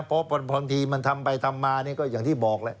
เพราะบางทีมันทำไปทำมานี่ก็อย่างที่บอกแหละ